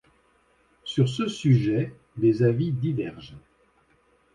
Sur ce sujet, les avis divergent.